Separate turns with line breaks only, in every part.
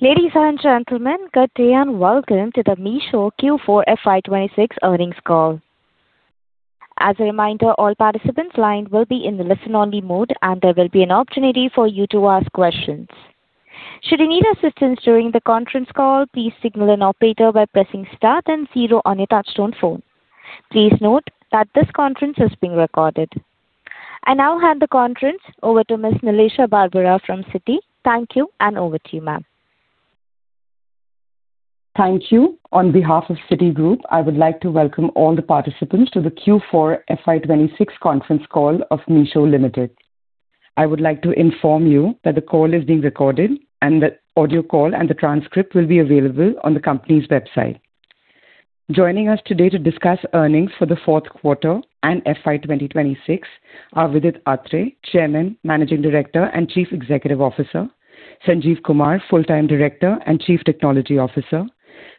Ladies and gentlemen, good day and welcome to the Meesho Q4 FY 2026 earnings call. As a reminder, all participants line will be in the listen-only mode, and there will be an opportunity for you to ask questions. Should you need assistance during the conference call, please signal an operator by pressing star then zero on your touchtone phone. Please note that this conference is being recorded. I now hand the conference over to Ms. Nilisha Barbara from Citi. Thank you, and over to you, ma'am.
Thank you. On behalf of Citigroup, I would like to welcome all the participants to the Q4 FY 2026 conference call of Meesho Limited. I would like to inform you that the call is being recorded and the audio call and the transcript will be available on the company's website. Joining us today to discuss earnings for the fourth quarter and FY 2026 are Vidit Aatrey, Chairman, Managing Director, and Chief Executive Officer; Sanjeev Barnwal, Full-time Director and Chief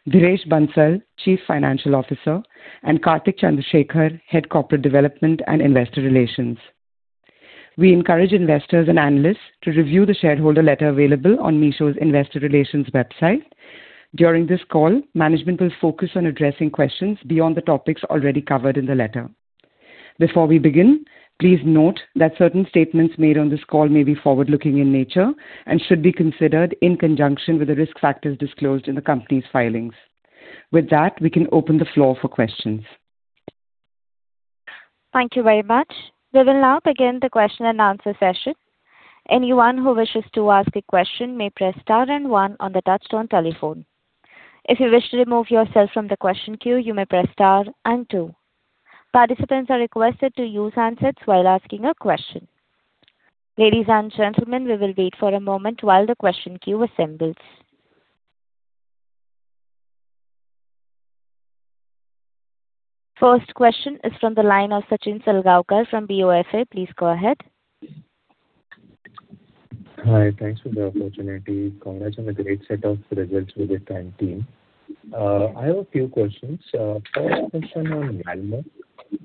Technology Officer; Dhiresh Bansal, Chief Financial Officer; and Karthik Chandrashekar, Head Corporate Development and Investor Relations. We encourage investors and analysts to review the shareholder letter available on Meesho's investor relations website. During this call, management will focus on addressing questions beyond the topics already covered in the letter. Before we begin, please note that certain statements made on this call may be forward-looking in nature and should be considered in conjunction with the risk factors disclosed in the company's filings. With that, we can open the floor for questions.
Thank you very much. We will now begin the question-and-answer session. Anyone who wishes to ask a question may press star one on the touchtone telephone. If you wish to remove yourself from the question queue, you may press star and two. Participants are requested to use handsets while asking a question. Ladies and gentlemen, we will wait for a moment while the question queue assembles. First question is from the line of Sachin Salgaonkar from BofA. Please go ahead.
Hi. Thanks for the opportunity. Congrats on the great set of results, Vidit and team. I have a few questions. First question on Valmo.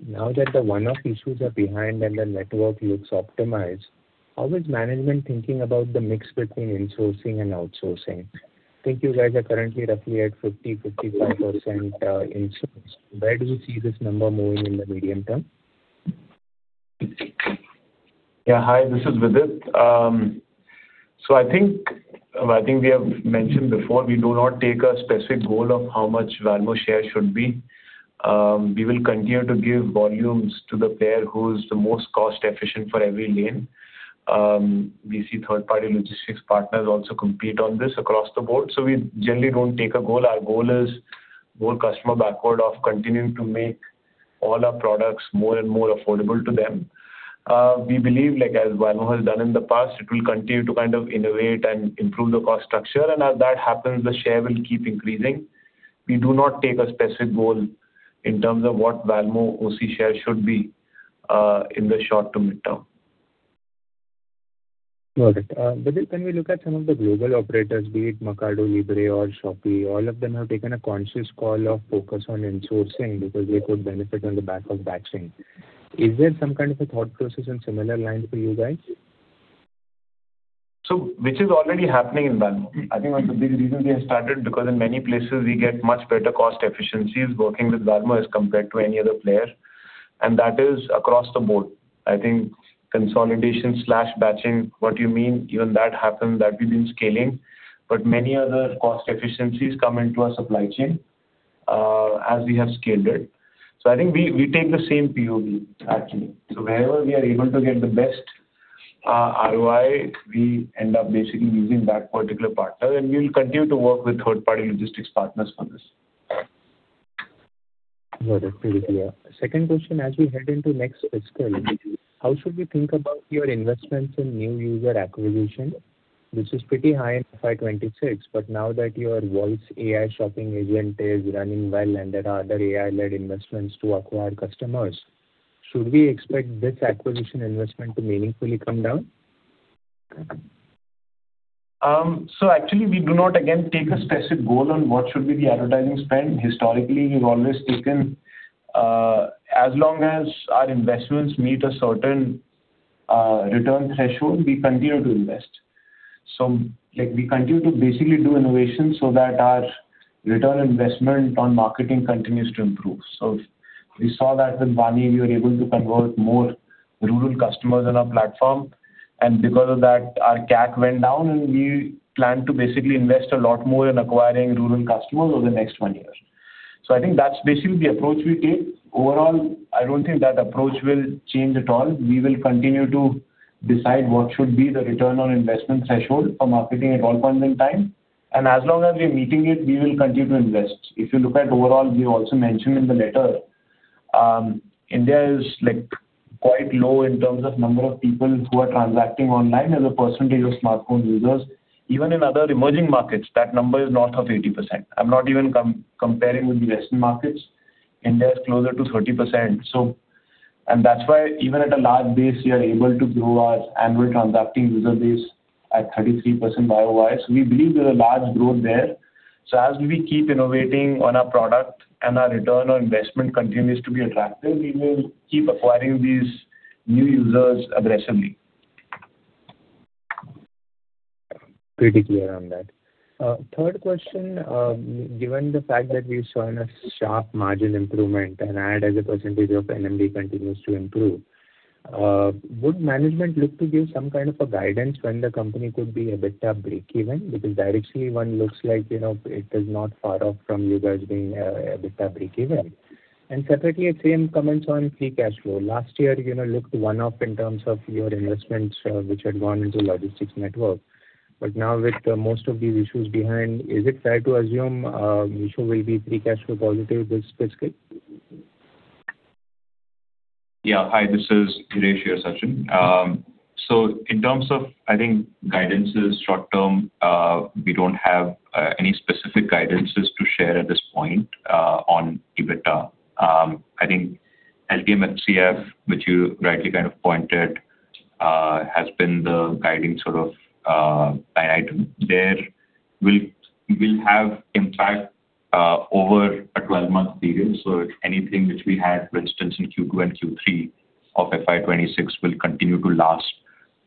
Now that the one-off issues are behind and the network looks optimized, how is management thinking about the mix between insourcing and outsourcing? I think you guys are currently roughly at 50%-55%, in source. Where do you see this number moving in the medium term?
Yeah. Hi, this is Vidit. I think we have mentioned before, we do not take a specific goal of how much Valmo share should be. We will continue to give volumes to the player who's the most cost-efficient for every lane. We see third-party logistics partners also compete on this across the board, so we generally don't take a goal. Our goal is more customer backward of continuing to make all our products more and more affordable to them. We believe, like as Valmo has done in the past, it will continue to kind of innovate and improve the cost structure, and as that happens, the share will keep increasing. We do not take a specific goal in terms of what Valmo OC share should be in the short to midterm.
Got it. When we look at some of the global operators, be it Mercado Libre or Shopee, all of them have taken a conscious call of focus on insourcing because they could benefit on the back of batching. Is there some kind of a thought process in similar lines for you guys?
Which is already happening in Valmo. I think one of the big reasons we have started, because in many places we get much better cost efficiencies working with Valmo as compared to any other player, and that is across the board. I think consolidation/batching, what you mean, even that happened, that we've been scaling, but many other cost efficiencies come into our supply chain as we have scaled it. I think we take the same POV actually. Wherever we are able to get the best ROI, we end up basically using that particular partner, and we'll continue to work with third-party logistics partners on this.
Got it. Very clear. Second question, as we head into next fiscal, how should we think about your investments in new user acquisition? This is pretty high in FY 2026, now that your voice AI shopping agent is running well and there are other AI-led investments to acquire customers, should we expect this acquisition investment to meaningfully come down?
Actually, we do not, again, take a specific goal on what should be the advertising spend. Historically, we've always taken as long as our investments meet a certain return threshold, we continue to invest. Like, we continue to basically do innovation so that our return on investment on marketing continues to improve. We saw that with Vaani, we were able to convert more rural customers on our platform, and because of that, our CAC went down, and we plan to basically invest a lot more in acquiring rural customers over the next one year. I think that's basically the approach we take. Overall, I don't think that approach will change at all. We will continue to decide what should be the return on investment threshold for marketing at all points in time. As long as we're meeting it, we will continue to invest. If you look at overall, we also mentioned in the letter, India is, like, quite low in terms of number of people who are transacting online as a percentage of smartphone users. Even in other emerging markets, that number is north of 80%. I'm not even comparing with the Western markets. India is closer to 30%. That's why even at a large base, we are able to grow our annual transacting user base at 33% Y-o-Y. We believe there's a large growth there. As we keep innovating on our product and our return on investment continues to be attractive, we will keep acquiring these new users aggressively.
Pretty clear on that. Third question. Given the fact that we saw a sharp margin improvement and ad as a percentage of NMV continues to improve, would management look to give some kind of a guidance when the company could be EBITDA breakeven? Because directly one looks like, you know, it is not far off from you guys being EBITDA breakeven. Separately, same comments on free cash flow. Last year, you know, looked one-off in terms of your investments, which had gone into logistics network. Now with most of these issues behind, is it fair to assume Meesho will be free cash flow positive this fiscal?
Yeah. Hi, this is Dhiresh here, Sachin. In terms of, I think, guidances short term, we don't have any specific guidances to share at this point on EBITDA. I think LTM FCF, which you rightly kind of pointed, has been the guiding sort of item there. We'll have impact over a 12-month period. Anything which we had, for instance, in Q2 and Q3 of FY 2026 will continue to last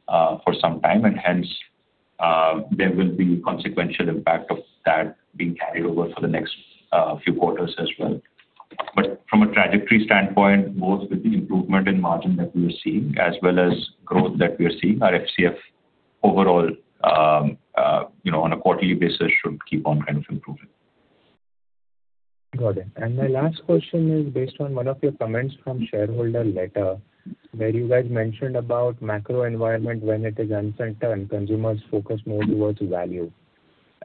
for some time, and hence, there will be consequential impact of that being carried over for the next few quarters as well. From a trajectory standpoint, both with the improvement in margin that we are seeing as well as growth that we are seeing, our FCF overall, you know, on a quarterly basis should keep on kind of improving.
Got it. My last question is based on one of your comments from shareholder letter where you guys mentioned about macro environment when it is uncertain, consumers focus more towards value.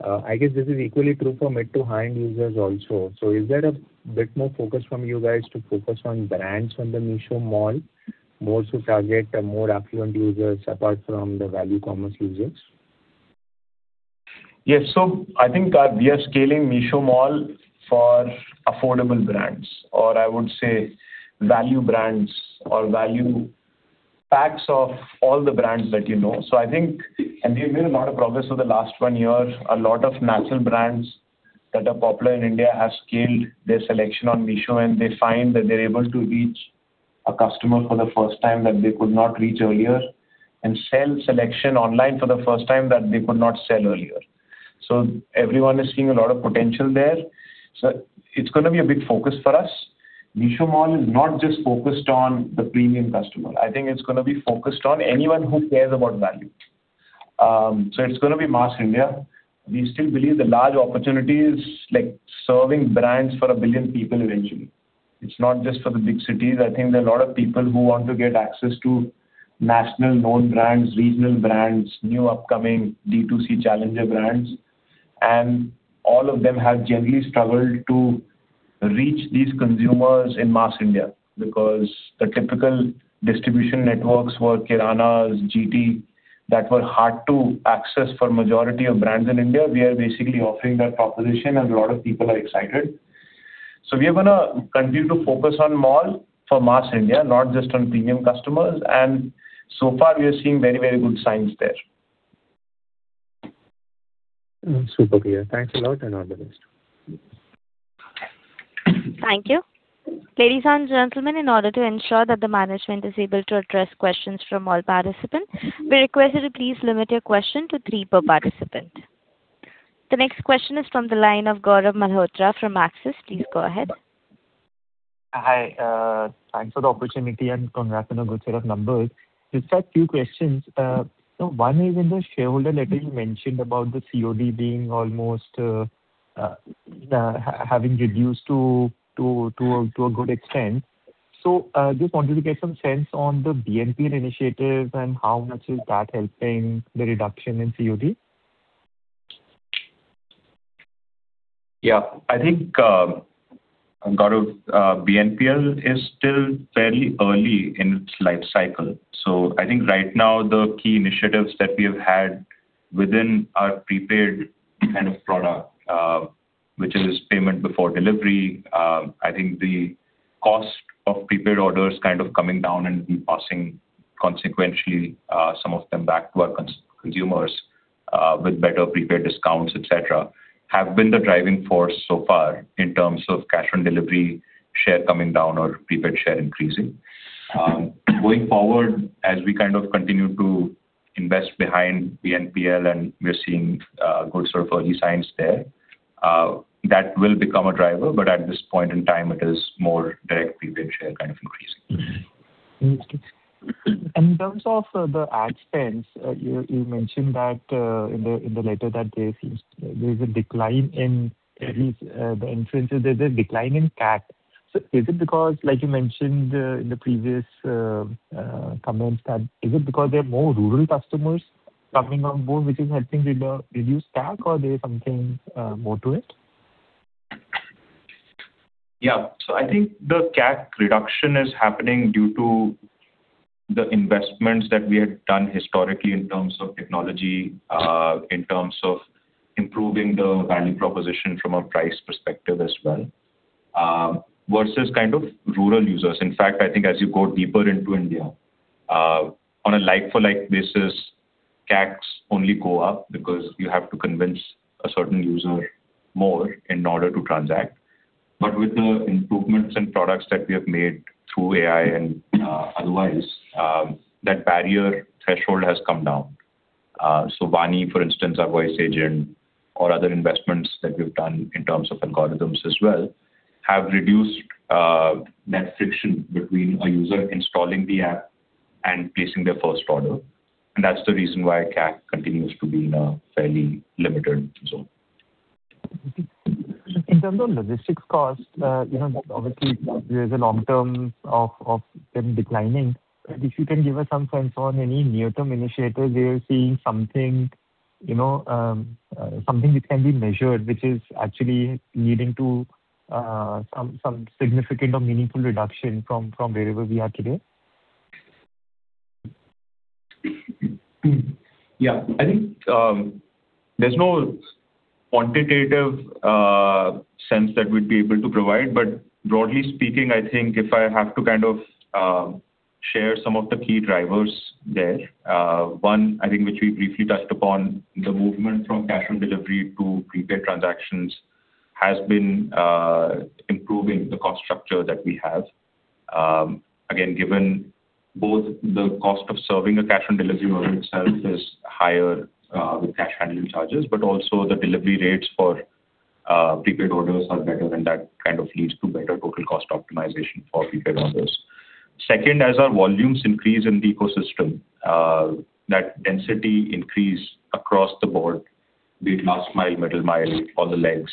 I guess this is equally true from mid to high-end users also. Is there a bit more focus from you guys to focus on brands on the Meesho Mall, more to target more affluent users apart from the value commerce users?
Yes. I think we are scaling Meesho Mall for affordable brands, or I would say value brands or value packs of all the brands that you know. And we've made a lot of progress over the last one year. A lot of national brands that are popular in India have scaled their selection on Meesho, and they find that they're able to reach a customer for the first time that they could not reach earlier and sell selection online for the first time that they could not sell earlier. Everyone is seeing a lot of potential there. It's gonna be a big focus for us. Meesho Mall is not just focused on the premium customer. I think it's gonna be focused on anyone who cares about value. It's gonna be mass India. We still believe the large opportunity is, like, serving brands for 1 billion people eventually. It's not just for the big cities. I think there are a lot of people who want to get access to national known brands, regional brands, new upcoming D2C challenger brands, and all of them have generally struggled to reach these consumers in mass India because the typical distribution networks were Kirana, GT that were hard to access for majority of brands in India. We are basically offering that proposition, and a lot of people are excited. We are gonna continue to focus on Mall for mass India, not just on premium customers, and so far we are seeing very, very good signs there.
Super clear. Thanks a lot, and all the best.
Thank you. Ladies and gentlemen, in order to ensure that the management is able to address questions from all participants, we request you to please limit your question to three per participant. The next question is from the line of Gaurav Malhotra from Axis. Please go ahead.
Hi, thanks for the opportunity and congrats on a good set of numbers. Just a few questions. One is, in the shareholder letter you mentioned about the COD being almost having reduced to a good extent. Just wanted to get some sense on the BNPL initiatives and how much is that helping the reduction in COD.
Yeah. I think, Gaurav, BNPL is still fairly early in its life cycle. I think right now the key initiatives that we have had within our prepaid kind of product, which is payment before delivery, I think the cost of prepaid orders kind of coming down and bypassing consequentially, some of them back to our consumers, with better prepaid discounts, et cetera, have been the driving force so far in terms of cash on delivery share coming down or prepaid share increasing. Going forward, as we kind of continue to invest behind BNPL and we're seeing, good sort of early signs there, that will become a driver, but at this point in time it is more direct prepaid share kind of increasing.
Understood. In terms of the ad spends, you mentioned that in the letter that there's a decline in, at least, the inferences, there's a decline in CAC. Is it because, like you mentioned, in the previous comments that is it because there are more rural customers coming on board which is helping with the reduced CAC, or there's something more to it?
I think the CAC reduction is happening due to the investments that we had done historically in terms of technology, in terms of improving the value proposition from a price perspective as well. Versus kind of rural users. In fact, I think as you go deeper into India, on a like-for-like basis, CACs only go up because you have to convince a certain user more in order to transact. With the improvements in products that we have made through AI and otherwise, that barrier threshold has come down. Vaani, for instance, our voice agent or other investments that we've done in terms of algorithms as well, have reduced that friction between a user installing the app and placing their first order. That's the reason why CAC continues to be fairly limited as well.
In terms of logistics cost, you know, obviously there's a long term of them declining. If you can give us some sense on any near-term initiatives where you're seeing something, you know, something which can be measured, which is actually leading to some significant or meaningful reduction from wherever we are today.
Yeah. I think, there's no quantitative sense that we'd be able to provide. Broadly speaking, I think if I have to kind of share some of the key drivers there, one, I think, which we briefly touched upon, the movement from cash on delivery to prepaid transactions has been improving the cost structure that we have. Again, given both the cost of serving a cash on delivery model itself is higher, with cash handling charges, but also the delivery rates for prepaid orders are better, and that kind of leads to better total cost optimization for prepaid orders. Second, as our volumes increase in the ecosystem, that density increase across the board, be it last mile, middle-mile, all the legs,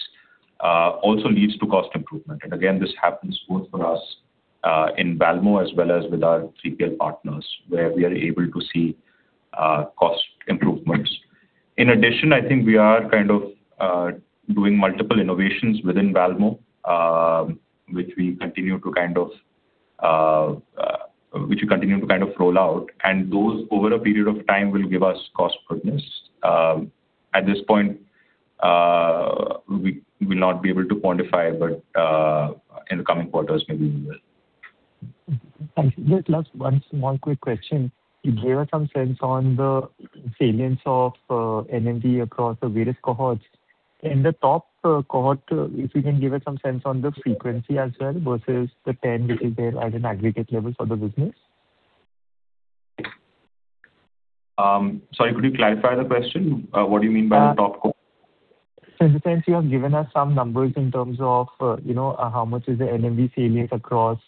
also leads to cost improvement. Again, this happens both for us, in Valmo as well as with our 3PL partners, where we are able to see cost improvements. In addition, I think we are kind of doing multiple innovations within Valmo, which we continue to kind of roll out, and those over a period of time will give us cost goodness. At this point, we will not be able to quantify, but in the coming quarters, maybe we will.
Thank you. Just last one small quick question. You gave us some sense on the salience of NMV across the various cohorts. In the top cohort, if you can give us some sense on the frequency as well versus the 10 which is there at an aggregate level for the business.
Sorry, could you clarify the question? What do you mean by the top?
In the sense you have given us some numbers in terms of, you know, how much is the NMV salient across,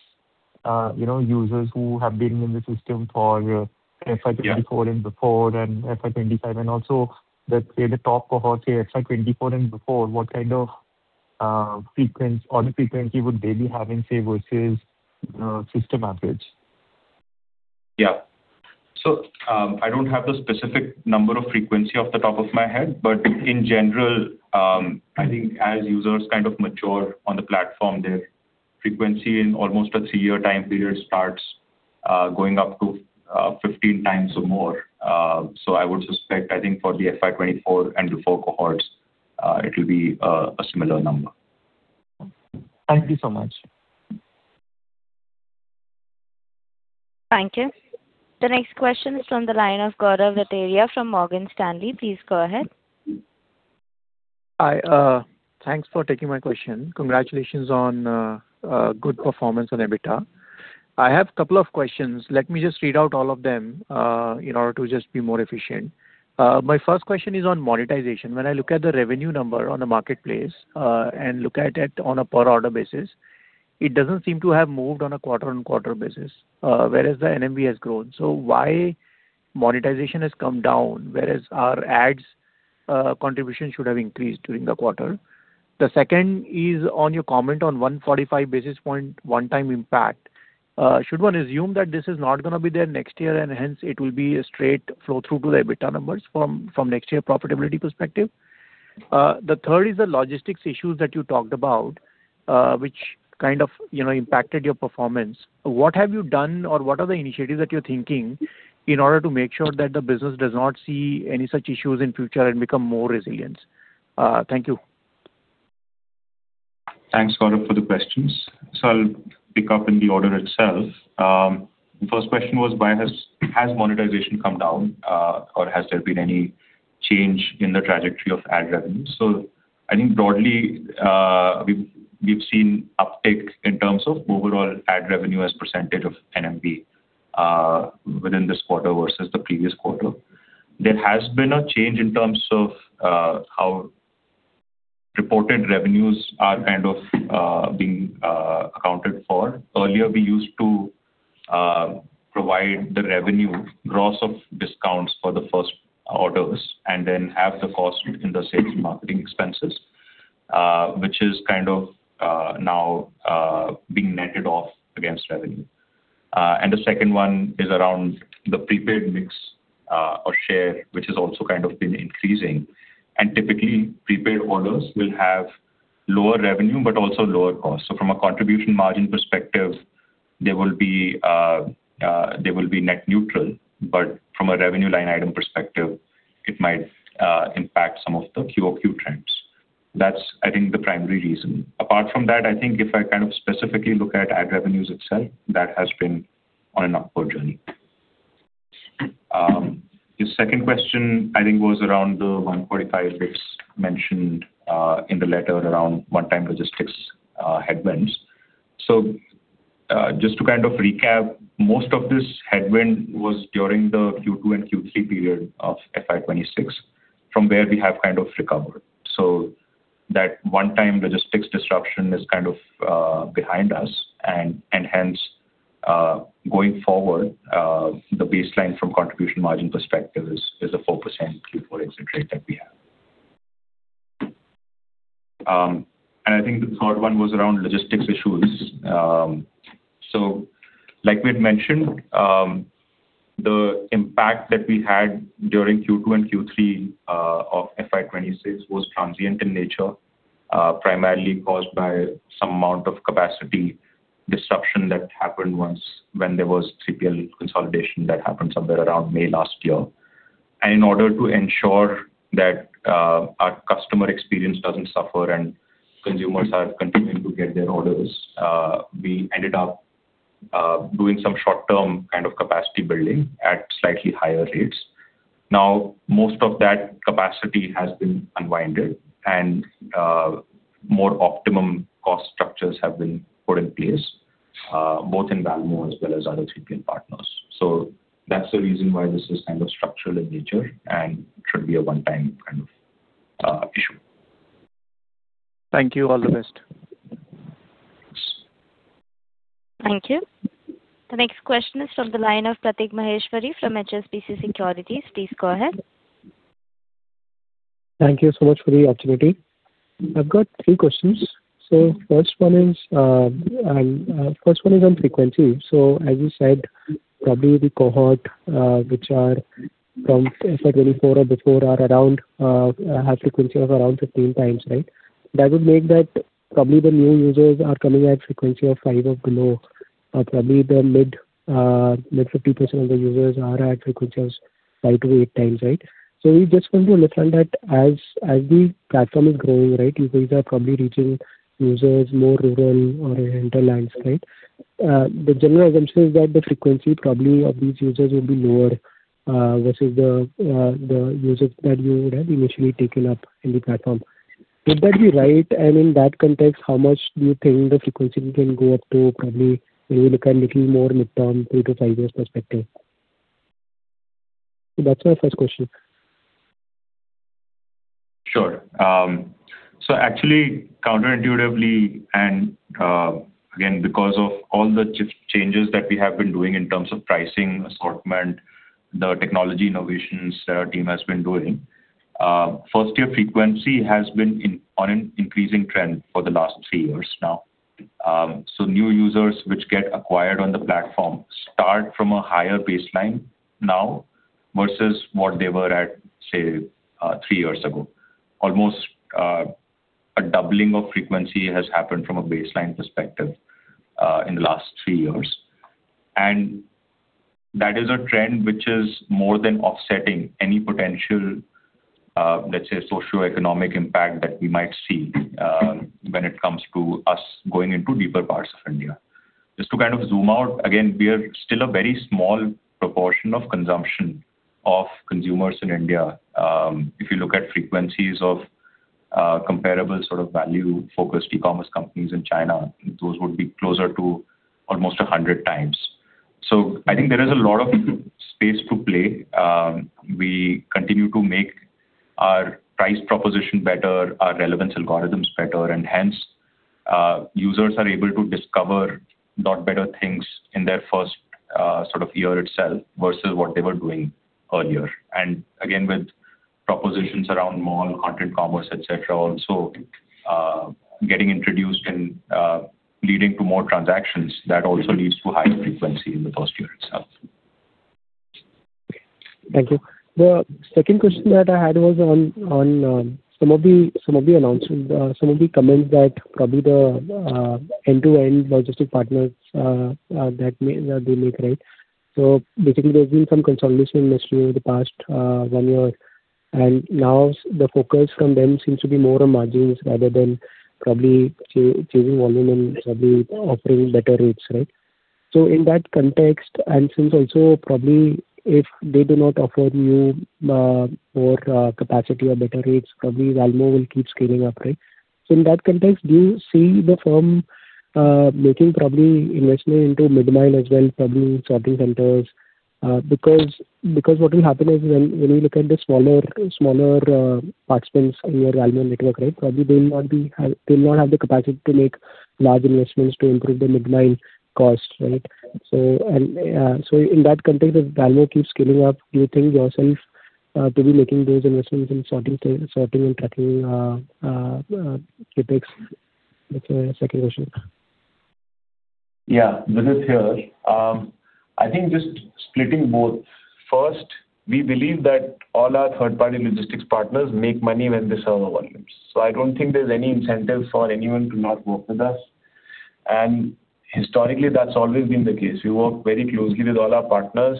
you know, users who have been in the system for FY 2024 and before, and FY 2025. Also let's say the top cohort, say FY 2024 and before, what kind of frequency or the frequency would they be having, say, versus system average?
Yeah. I don't have the specific number of frequency off the top of my head. In general, I think as users kind of mature on the platform, their frequency in almost a three-year time period starts going up to 15 times or more. I would suspect, I think for the FY 2024 and before cohorts, it will be a similar number.
Thank you so much.
Thank you. The next question is from the line of Gaurav Rateria from Morgan Stanley. Please go ahead.
Hi. Thanks for taking my question. Congratulations on good performance on EBITDA. I have couple of questions. Let me just read out all of them in order to just be more efficient. My first question is on monetization. When I look at the revenue number on the marketplace and look at it on a per order basis, it doesn't seem to have moved on a quarter-on-quarter basis, whereas the NMV has grown. Why monetization has come down, whereas our ads contribution should have increased during the quarter? The second is on your comment on 145 basis point one-time impact. Should one assume that this is not gonna be there next year and hence it will be a straight flow through to the EBITDA numbers from next year profitability perspective? The third is the logistics issues that you talked about, which kind of, you know, impacted your performance. What have you done or what are the initiatives that you're thinking in order to make sure that the business does not see any such issues in future and become more resilient? Thank you.
Thanks, Gaurav, for the questions. I'll pick up in the order itself. The first question was why has monetization come down or has there been any change in the trajectory of ad revenue? I think broadly, we've seen uptick in terms of overall ad revenue as percentage of NMV within this quarter versus the previous quarter. There has been a change in terms of how reported revenues are kind of being accounted for. Earlier we used to provide the revenue gross of discounts for the first orders and then have the cost within the sales marketing expenses, which is kind of now being netted off against revenue. And the second one is around the prepaid mix or share, which has also kind of been increasing. Typically, prepaid orders will have lower revenue but also lower cost. From a contribution margin perspective, they will be net neutral, but from a revenue line item perspective, it might impact some of the Q-o-Q trends. That's, I think, the primary reason. Apart from that, I think if I kind of specifically look at ad revenues itself, that has been on an upward journey. The second question, I think, was around the 145 basis points mentioned in the letter around one-time logistics headwinds. Just to kind of recap, most of this headwind was during the Q2 and Q3 period of FY 2026, from where we have kind of recovered. That one-time logistics disruption is kind of behind us and hence going forward, the baseline from contribution margin perspective is a 4% Q4 exit rate that we have. I think the third one was around logistics issues. Like we had mentioned, the impact that we had during Q2 and Q3 of FY 2026 was transient in nature, primarily caused by some amount of capacity disruption that happened once when there was 3PL consolidation that happened somewhere around May last year. In order to ensure that our customer experience doesn't suffer and consumers are continuing to get their orders, we ended up doing some short-term kind of capacity building at slightly higher rates. Most of that capacity has been unwinded and more optimum cost structures have been put in place, both in Valmo as well as other 3PL partners. That's the reason why this is kind of structural in nature and should be a one-time kind of issue.
Thank you. All the best.
Thank you. The next question is from the line of Pratik Maheshwari from HSBC Securities. Please go ahead.
Thank you so much for the opportunity. I've got three questions. First one is on frequency. As you said, probably the cohort which are from FY 2024 or before are around, have frequency of around 15 times, right? That would make that probably the new users are coming at frequency of five or below, or probably the mid 50% of the users are at frequencies five to eight times, right? We just want to understand that as the platform is growing, right, you guys are probably reaching users more rural or hinterlands, right? The general assumption is that the frequency probably of these users will be lower versus the users that you would have initially taken up in the platform. Would that be right? In that context, how much do you think the frequency can go up to probably when you look at little more midterm, three to five years perspective? That's my first question.
Sure. Actually counterintuitively and, again, because of all the changes that we have been doing in terms of pricing, assortment, the technology innovations that our team has been doing, first-year frequency has been on an increasing trend for the last three years now. New users which get acquired on the platform start from a higher baseline now versus what they were at, say, three years ago. Almost, a doubling of frequency has happened from a baseline perspective, in the last three years. That is a trend which is more than offsetting any potential, let's say, socioeconomic impact that we might see, when it comes to us going into deeper parts of India. Just to kind of zoom out, again, we are still a very small proportion of consumption of consumers in India. If you look at frequencies of comparable sort of value-focused e-commerce companies in China, those would be closer to almost 100 times. I think there is a lot of space to play. We continue to make our price proposition better, our relevance algorithms better, and hence, users are able to discover lot better things in their first sort of year itself versus what they were doing earlier. Again, with propositions around Meesho Mall, content commerce, et cetera, also getting introduced and leading to more transactions, that also leads to higher frequency in the first year itself.
Thank you. The second question that I had was on some of the, some of the announcements, some of the comments that probably the end-to-end logistics partners that they make, right? Basically, there's been some consolidation in this year, the past one year, and now the focus from them seems to be more on margins rather than probably chasing volume and probably offering better rates, right? In that context, and since also probably if they do not offer you, more capacity or better rates, probably Valmo will keep scaling up, right? In that context, do you see the firm making probably investment into middle-mile as well, probably in sorting centers? Because what will happen is when you look at the smaller participants in your Valmo network, right, probably they will not have the capacity to make large investments to improve the middle-mile costs, right? In that context, if Valmo keeps scaling up, do you think yourself to be making those investments in sorting and tracking CapEx? That's my second question.
Yeah. Good to hear. I think just splitting both. First, we believe that all our third-party logistics partners make money when they serve our volumes. I don't think there's any incentive for anyone to not work with us. Historically, that's always been the case. We work very closely with all our partners,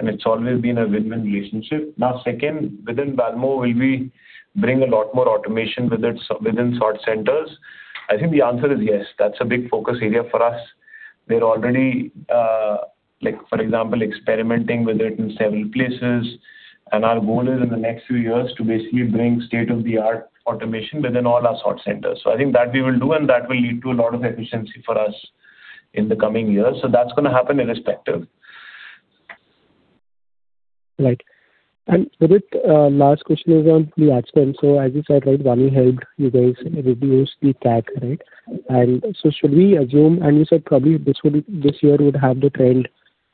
and it's always been a win-win relationship. Now, second, within Valmo, will we bring a lot more automation with it within sort centers? I think the answer is yes. That's a big focus area for us. We're already, like for example, experimenting with it in several places, and our goal is in the next few years to basically bring state-of-the-art automation within all our sort centers. I think that we will do, and that will lead to a lot of efficiency for us in the coming years. That's gonna happen irrespective.
Right. With last question is on the ad spend. As you said, right, Vaani helped you guys reduce the CAC, right? Should we assume you said probably this year would have the trend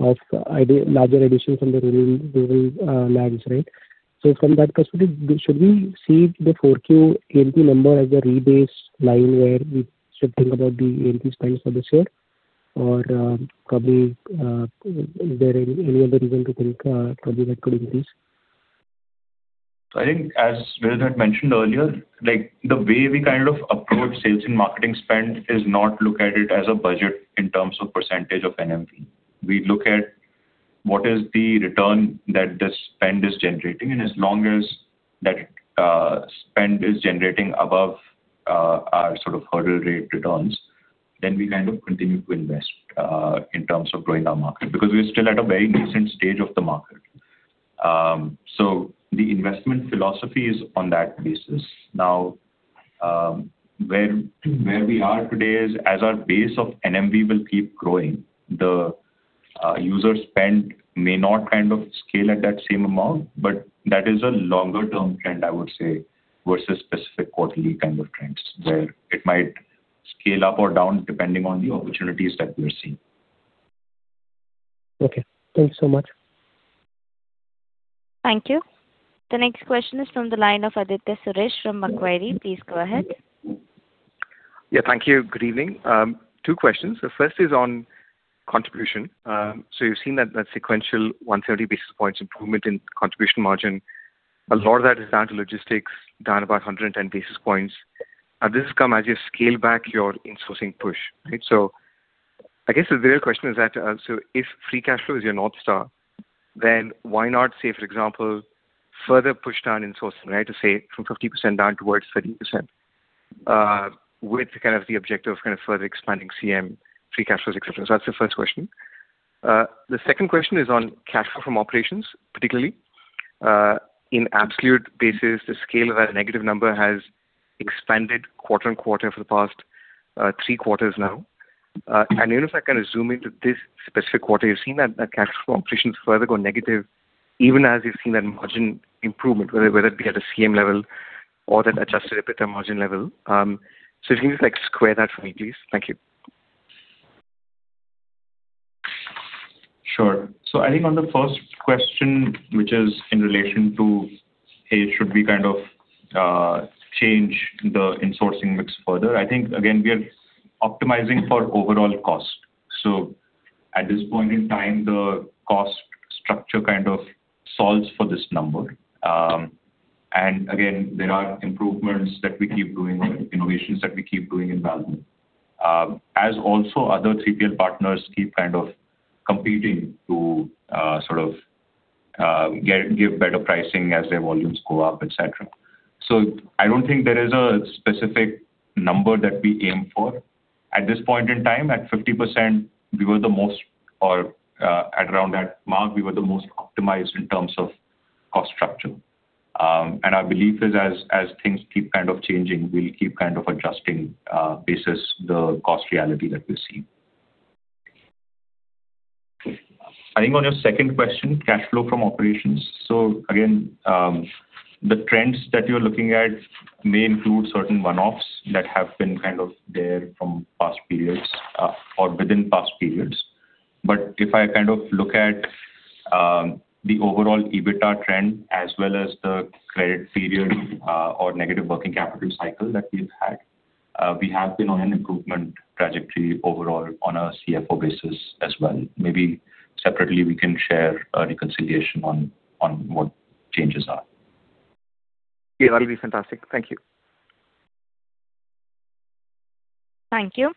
of larger additions on the, [inaudible] right? From that perspective, should we see the Q4 NMV number as a rebase line where we should think about the NMV spend for this year? Probably is there any other reason to think probably that could increase?
I think as Vidit had mentioned earlier, like the way we kind of approach sales and marketing spend is not look at it as a budget in terms of percentage of NMV. We look at what is the return that the spend is generating, and as long as that spend is generating above our sort of hurdle rate returns, then we kind of continue to invest in terms of growing our market. Because we're still at a very nascent stage of the market. The investment philosophy is on that basis. Where we are today is as our base of NMV will keep growing, the user spend may not kind of scale at that same amount, but that is a longer term trend I would say versus specific quarterly kind of trends, where it might scale up or down depending on the opportunities that we are seeing.
Okay. Thank you so much.
Thank you. The next question is from the line of Aditya Suresh from Macquarie. Please go ahead.
Thank you. Good evening. Two questions. The first is on contribution. You've seen that sequential 130 basis points improvement in contribution margin. A lot of that is down to logistics, down about 110 basis points. Has this come as you scale back your insourcing push? I guess the real question is that if free cash flow is your North Star, then why not say, for example, further push down insourcing? To say from 50% down towards 30%, with the objective of further expanding CM free cash flow, et cetera. That's the first question. The second question is on cash flow from operations, particularly. In absolute basis, the scale of that negative number has expanded Q-o-Q for the past three quarters now. Even if I kind of zoom into this specific quarter, you've seen that cash flow operations further go negative even as you've seen that margin improvement, whether it be at a CM level or that adjusted EBITDA margin level. Can you just like square that for me, please? Thank you.
Sure. I think on the first question, which is in relation to, hey, should we kind of change the insourcing mix further? I think, again, we are optimizing for overall cost. There are improvements that we keep doing, innovations that we keep doing in Valmo. As also other 3PL partners keep kind of competing to give better pricing as their volumes go up, et cetera. I don't think there is a specific number that we aim for. At this point in time, at 50%, or at around that mark, we were the most optimized in terms of cost structure. Our belief is as things keep kind of changing, we'll keep kind of adjusting, basis the cost reality that we're seeing. I think on your second question, cash flow from operations. Again, the trends that you're looking at may include certain one-offs that have been kind of there from past periods or within past periods. If I kind of look at the overall EBITDA trend as well as the credit period or negative working capital cycle that we've had, we have been on an improvement trajectory overall on our CFO basis as well. Maybe separately we can share a reconciliation on what changes are.
Yeah, that'll be fantastic. Thank you.
Thank you.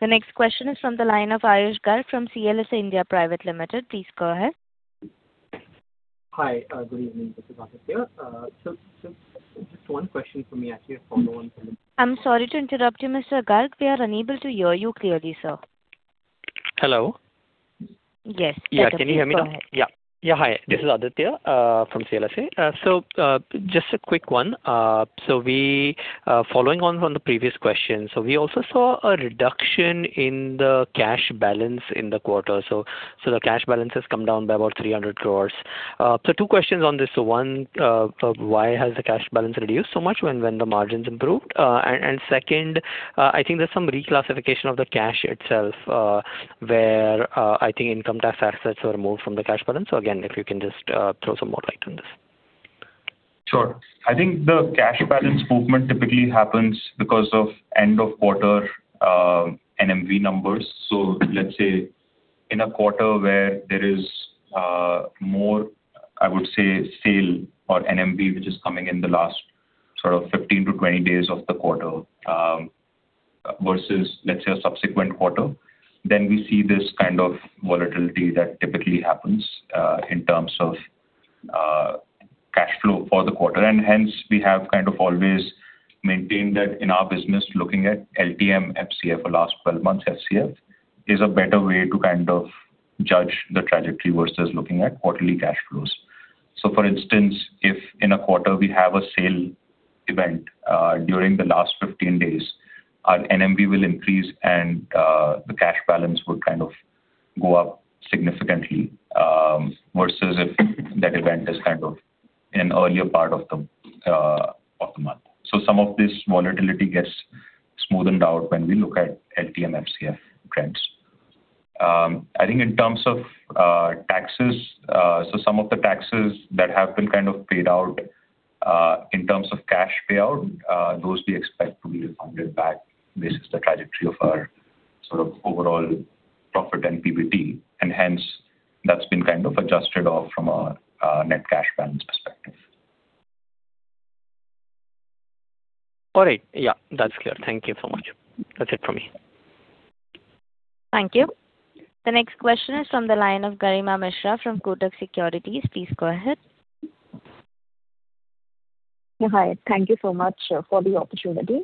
The next question is from the line of Ayush Garg from CLSA India Private Limited. Please go ahead.
Hi, good evening. This is Aditya. Just one question for me actually, a follow on from.
I'm sorry to interrupt you, Mr. Garg. We are unable to hear you clearly, sir.
Hello?
Yes.
Yeah. Can you hear me now?
Go ahead.
Hi. This is Aditya from CLSA. Just a quick one. Following on from the previous question, we also saw a reduction in the cash balance in the quarter. The cash balance has come down by about 300 crores. Two questions on this. One, why has the cash balance reduced so much when the margins improved? And second, I think there's some reclassification of the cash itself, where I think income tax assets were moved from the cash balance. Again, if you can just throw some more light on this.
Sure. I think the cash balance movement typically happens because of end of quarter NMV numbers. Let's say in a quarter where there is more, I would say, sale or NMV which is coming in the last sort of 15-20 days of the quarter versus let's say a subsequent quarter, then we see this kind of volatility that typically happens in terms of cash flow for the quarter. Hence we have kind of always maintained that in our business looking at LTM FCF or last 12 months FCF is a better way to kind of judge the trajectory versus looking at quarterly cash flows. For instance, if in a quarter we have a sale event, during the last 15 days, our NMV will increase and the cash balance will kind of go up significantly versus if that event is kind of in earlier part of the month. Some of this volatility gets smoothened out when we look at LTM FCF trends. I think in terms of taxes, some of the taxes that have been kind of paid out in terms of cash payout, those we expect to be refunded back based on the trajectory of our sort of overall profit and PBT, and hence that's been kind of adjusted off from a net cash balance perspective.
All right. Yeah, that's clear. Thank you so much. That's it for me.
Thank you. The next question is from the line of Garima Mishra from Kotak Securities. Please go ahead.
Hi, thank you so much for the opportunity.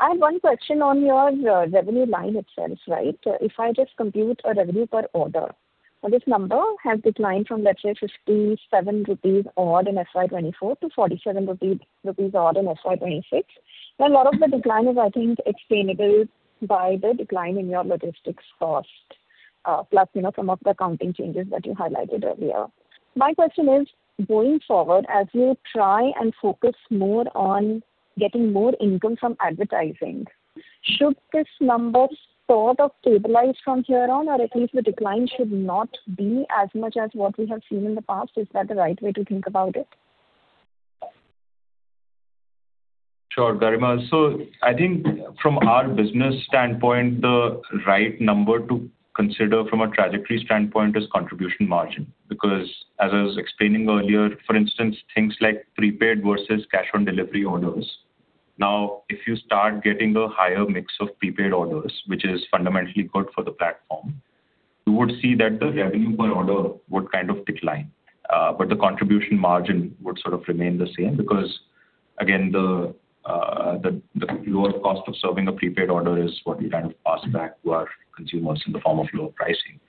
I have one question on your revenue line itself, right? If I just compute a revenue per order, this number has declined from let's say 57 rupees odd in FY 2024 to 47 rupees odd in FY 2026. A lot of the decline is I think explainable by the decline in your logistics cost, plus, you know, some of the accounting changes that you highlighted earlier. My question is, going forward, as you try and focus more on getting more income from advertising, should this number sort of stabilize from here on or at least the decline should not be as much as what we have seen in the past? Is that the right way to think about it?
Sure, Garima. I think from our business standpoint, the right number to consider from a trajectory standpoint is contribution margin. Because as I was explaining earlier, for instance, things like prepaid versus cash on delivery orders. Now, if you start getting a higher mix of prepaid orders, which is fundamentally good for the platform, you would see that the revenue per order would kind of decline, but the contribution margin would sort of remain the same because again, the lower cost of serving a prepaid order is what we kind of pass back to our consumers in the form of lower pricing.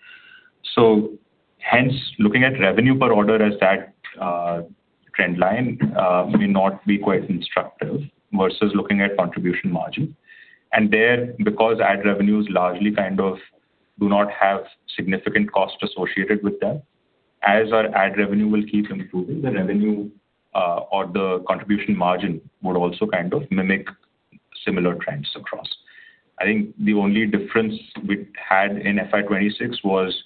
Hence, looking at revenue per order as that trend line may not be quite instructive versus looking at contribution margin. There, because ad revenues largely kind of do not have significant cost associated with that, as our ad revenue will keep improving, the revenue, or the contribution margin would also kind of mimic similar trends across. I think the only difference we had in FY 2026 was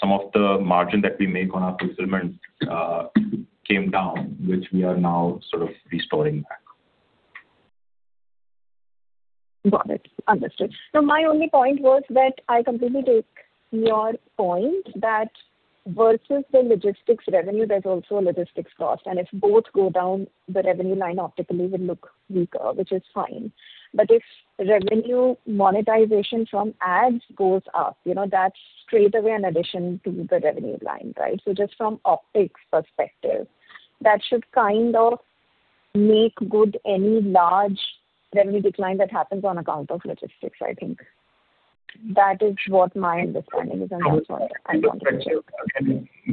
some of the margin that we make on our fulfillment came down, which we are now sort of restoring back.
Got it. Understood. My only point was that I completely take your point that versus the logistics revenue, there's also a logistics cost and if both go down, the revenue line optically will look weaker, which is fine. If revenue monetization from ads goes up, you know, that's straightaway an addition to the revenue line, right? Just from optics perspective, that should kind of make good any large revenue decline that happens on account of logistics, I think. That is what my understanding is.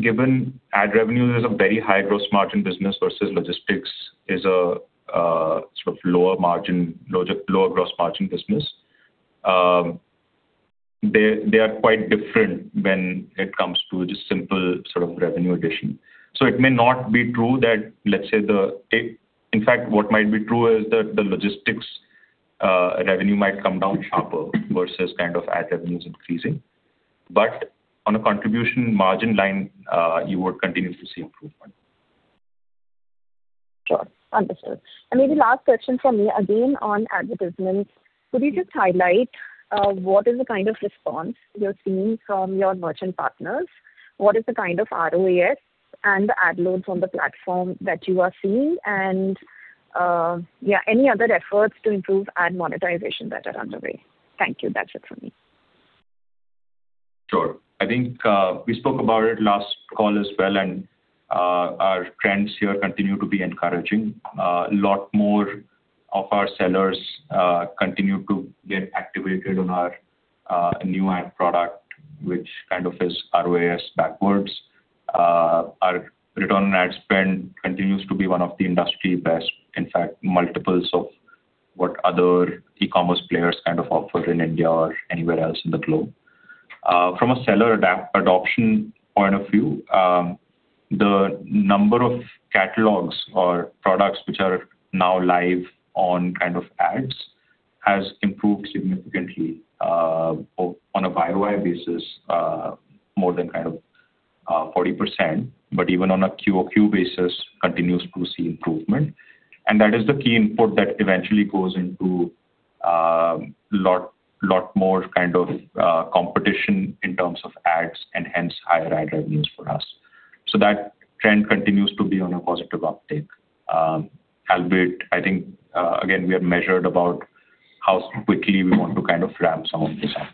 Given ad revenue is a very high gross margin business versus logistics is a sort of lower margin, lower gross margin business, they are quite different when it comes to just simple sort of revenue addition. It may not be true that, let's say. In fact, what might be true is that the logistics revenue might come down sharper versus kind of ad revenues increasing. On a contribution margin line, you would continue to see improvement.
Sure. Understood. Maybe last question from me, again on advertisements. Could you just highlight what is the kind of response you're seeing from your merchant partners? What is the kind of ROAS and the ad loads on the platform that you are seeing, any other efforts to improve ad monetization that are underway? Thank you. That's it from me.
Sure. I think we spoke about it last call as well. Our trends here continue to be encouraging. A lot more of our sellers continue to get activated on our new ad product, which kind of is ROAS backwards. Our return on ad spend continues to be one of the industry best, in fact, multiples of what other e-commerce players kind of offer in India or anywhere else in the globe. From a seller adoption point of view, the number of catalogs or products which are now live on kind of ads has improved significantly on a Y-o-Y basis, more than kind of 40%, but even on a Q-o-Q basis continues to see improvement. That is the key input that eventually goes into lot more kind of competition in terms of ads and hence higher ad revenues for us. That trend continues to be on a positive uptake. Albeit I think again, we are measured about how quickly we want to kind of ramp some of this up.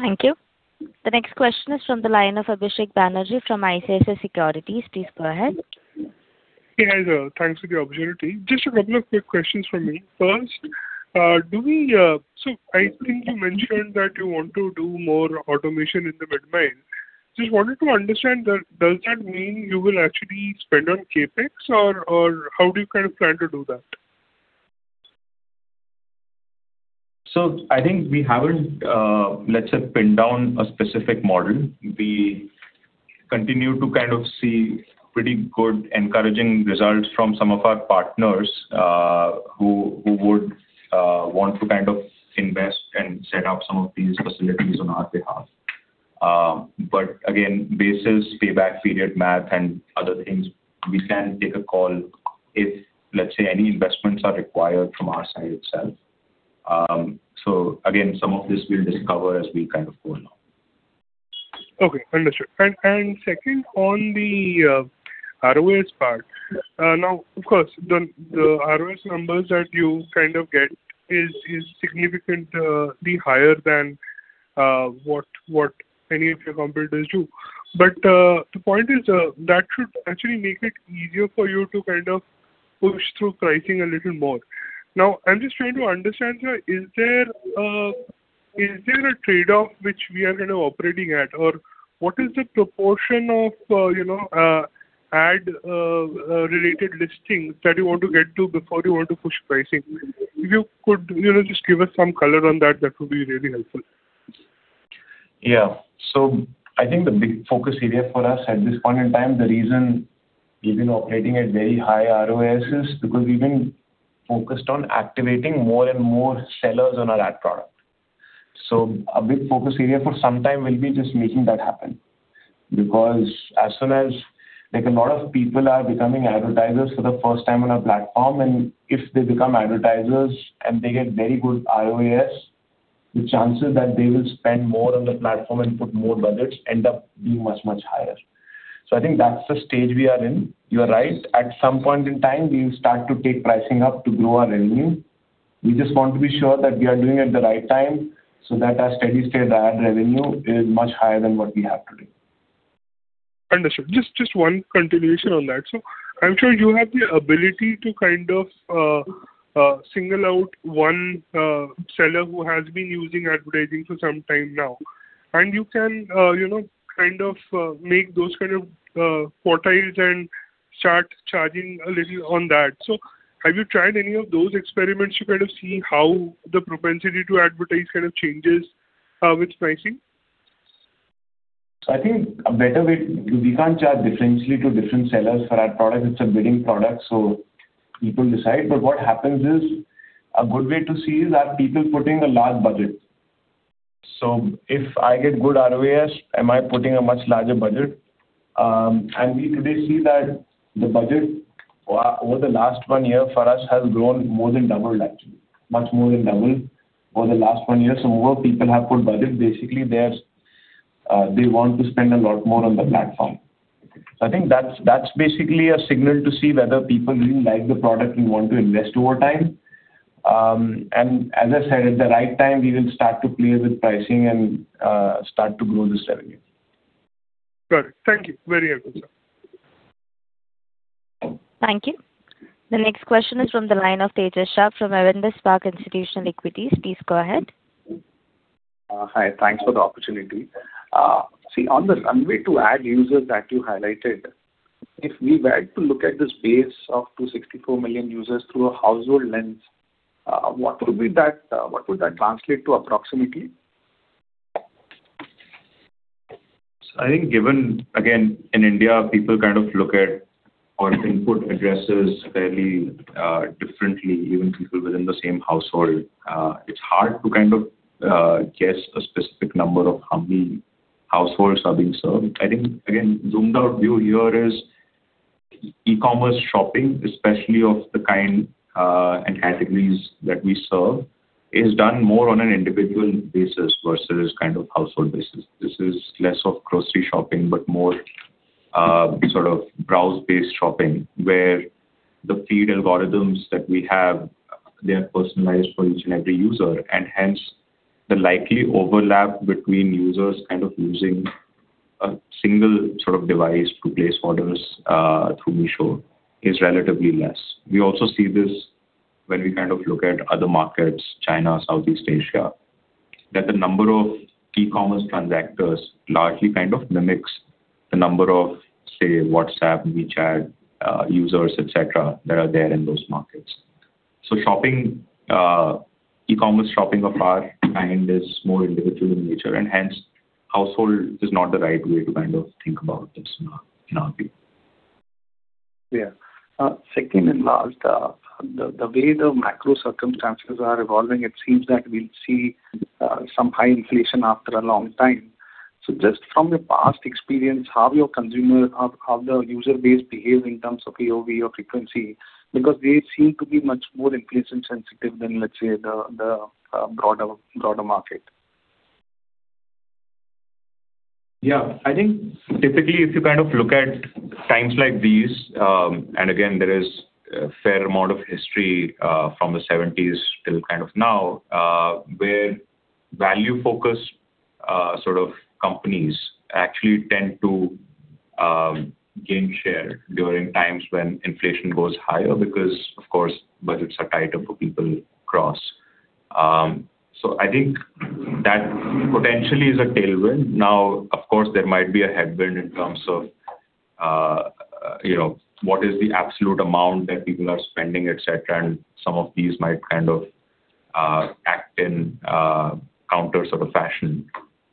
Thank you. The next question is from the line of Abhisek Banerjee from ICICI Securities. Please go ahead.
Hey, guys. Thanks for the opportunity. Just a couple of quick questions from me. First, I think you mentioned that you want to do more automation in the middle-mile. Just wanted to understand, does that mean you will actually spend on CapEx or how do you kind of plan to do that?
I think we haven't, let's say, pinned down a specific model. We continue to kind of see pretty good encouraging results from some of our partners, who would want to kind of invest and set up some of these facilities on our behalf. Again, basis, payback period math and other things, we can take a call if, let's say, any investments are required from our side itself. Again, some of this we'll discover as we kind of go along.
Okay. Understood. Second, on the ROAS part. Now, of course, the ROAS numbers that you kind of get is significantly higher than what any of your competitors do. The point is that should actually make it easier for you to kind of push through pricing a little more. Now, I'm just trying to understand here, is there a trade-off which we are kind of operating at? What is the proportion of, you know, ad related listings that you want to get to before you want to push pricing? If you could, you know, just give us some color on that would be really helpful.
Yeah. I think the big focus area for us at this point in time, the reason we've been operating at very high ROAS is because we've been focused on activating more and more sellers on our ad product. A big focus area for some time will be just making that happen. Because as soon as, like, a lot of people are becoming advertisers for the first time on our platform, and if they become advertisers and they get very good ROAS, the chances that they will spend more on the platform and put more budgets end up being much, much higher. I think that's the stage we are in. You are right. At some point in time, we will start to take pricing up to grow our revenue. We just want to be sure that we are doing it at the right time so that our steady state ad revenue is much higher than what we have today.
Understood. Just one continuation on that. I'm sure you have the ability to kind of single out one seller who has been using advertising for some time now, and you can, you know, kind of make those kind of quartiles and start charging a little on that. Have you tried any of those experiments to kind of see how the propensity to advertise changes with pricing?
We can't charge differentially to different sellers for our product. It's a bidding product, people decide. What happens is, a good way to see is, are people putting a large budget? If I get good ROAS, am I putting a much larger budget? We today see that the budget over the last one year for us has grown more than doubled, actually. Much more than doubled over the last one year. More people have put budget. Basically, they want to spend a lot more on the platform. I think that's basically a signal to see whether people really like the product and want to invest over time. As I said, at the right time, we will start to play with pricing and start to grow this revenue.
Got it. Thank you. Very helpful, sir.
Thank you. The next question is from the line of Tejas Shah from Avendus Spark Institutional Equities. Please go ahead.
Hi. Thanks for the opportunity. See, on the runway to add users that you highlighted, if we were to look at this base of 264 million users through a household lens, what would that translate to approximately?
I think given, again, in India, people kind of look at our input addresses fairly differently, even people within the same household. It's hard to kind of guess a specific number of how many households are being served. I think, again, zoomed out view here is e-commerce shopping, especially of the kind and categories that we serve, is done more on an individual basis versus kind of household basis. This is less of grocery shopping, but more sort of browse-based shopping, where the feed algorithms that we have, they are personalized for each and every user. Hence, the likely overlap between users kind of using a single sort of device to place orders through Meesho is relatively less. We also see this when we kind of look at other markets, China, Southeast Asia, that the number of e-commerce transactors largely kind of mimics the number of, say, WhatsApp, WeChat, users, et cetera, that are there in those markets. Shopping, e-commerce shopping of our kind is more individual in nature, and hence household is not the right way to kind of think about this, in our view.
Yeah. Second and last, the way the macro circumstances are evolving, it seems that we'll see some high inflation after a long time. Just from your past experience, how your consumer, how the user base behave in terms of AOV or frequency because they seem to be much more inflation sensitive than, let's say, the broader market?
Yeah. I think typically if you kind of look at times like these, there is a fair amount of history from the seventies till kind of now, where value-focused sort of companies actually tend to gain share during times when inflation goes higher because of course budgets are tighter for people across. I think that potentially is a tailwind. Now, of course, there might be a headwind in terms of, you know, what is the absolute amount that people are spending, et cetera, some of these might kind of act in counter sort of fashion.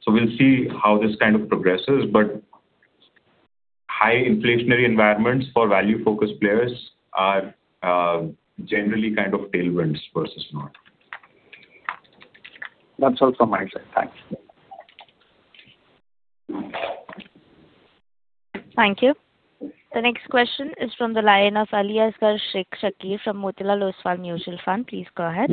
We'll see how this kind of progresses, high inflationary environments for value-focused players are generally kind of tailwinds versus not.
That's all from my side. Thanks.
Thank you. The next question is from the line of Aliasgar Shakir from Motilal Oswal Mutual Fund. Please go ahead.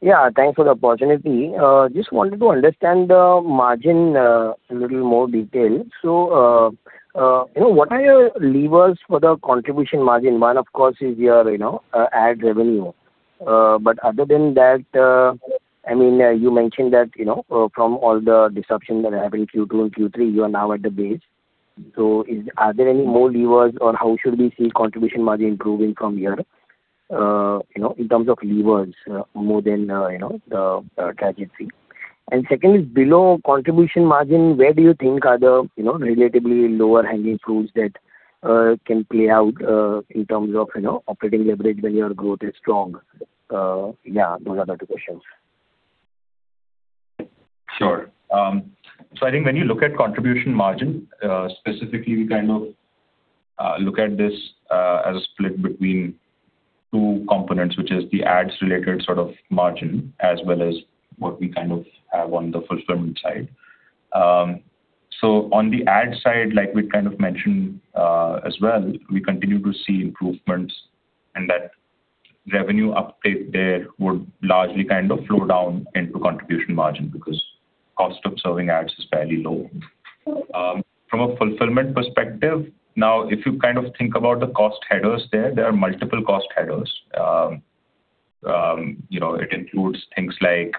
Yeah. Thanks for the opportunity. Just wanted to understand the margin a little more detail. You know, what are your levers for the contribution margin? One, of course, is your, you know, ad revenue. But other than that, I mean, you mentioned that, you know, from all the disruption that happened in Q2 and Q3, you are now at the base. Are there any more levers or how should we see contribution margin improving from here, you know, in terms of levers more than, you know, the trajectory? And second is below contribution margin, where do you think are the, you know, relatively lower hanging fruits that can play out in terms of, you know, operating leverage when your growth is strong? Yeah, those are the two questions.
Sure. I think when you look at contribution margin specifically, we kind of look at this as a split between two components, which is the ads related sort of margin as well as what we kind of have on the fulfillment side. On the ad side, like we kind of mentioned as well, we continue to see improvements and that revenue update there would largely kind of flow down into contribution margin because cost of serving ads is fairly low. From a fulfillment perspective, now, if you kind of think about the cost headers there are multiple cost headers. You know, it includes things like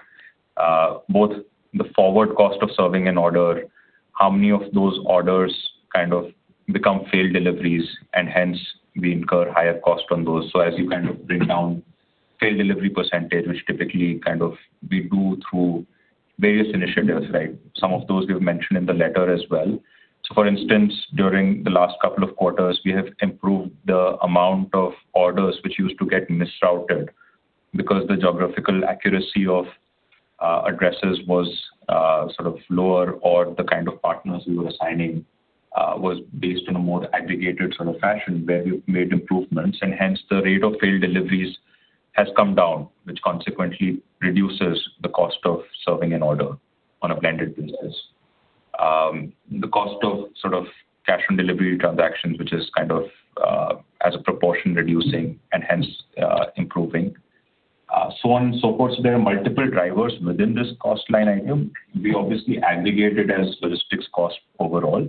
both the forward cost of serving an order, how many of those orders kind of become failed deliveries, and hence we incur higher cost on those. As you kind of bring down failed delivery percentage, which typically kind of we do through various initiatives, right? Some of those we've mentioned in the letter as well. For instance, during the last couple of quarters, we have improved the amount of orders which used to get misrouted because the geographical accuracy of addresses was sort of lower or the kind of partners we were assigning was based on a more aggregated sort of fashion where we've made improvements, and hence the rate of failed deliveries has come down, which consequently reduces the cost of serving an order on a blended basis. The cost of sort of cash on delivery transactions which is kind of as a proportion reducing and hence improving. So on and so forth, there are multiple drivers within this cost line item. We obviously aggregate it as logistics cost overall.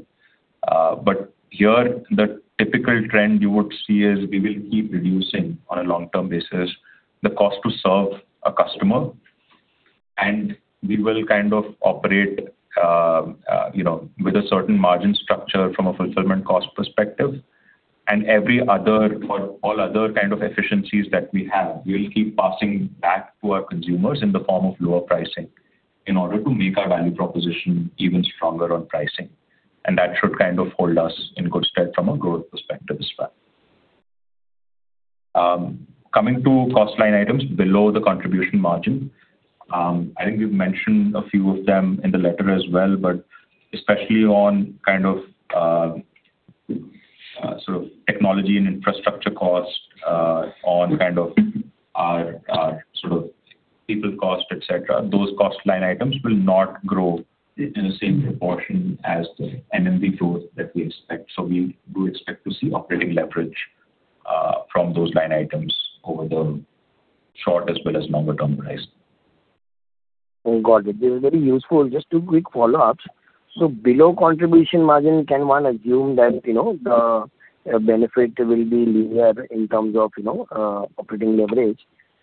Here the typical trend you would see is we will keep reducing on a long-term basis the cost to serve a customer. We will kind of operate with a certain margin structure from a fulfillment cost perspective. Every other or all other kind of efficiencies that we have, we'll keep passing back to our consumers in the form of lower pricing in order to make our value proposition even stronger on pricing. That should kind of hold us in good stead from a growth perspective as well. Coming to cost line items below the contribution margin, I think we've mentioned a few of them in the letter as well, but especially on kind of technology and infrastructure cost, on kind of people cost, et cetera. Those cost line items will not grow in the same proportion as the NMV growth that we expect. We do expect to see operating leverage from those line items over the short as well as longer term horizon.
Got it. This is very useful. Just two quick follow-ups. Below contribution margin, can one assume that, you know, the benefit will be linear in terms of, you know, operating leverage?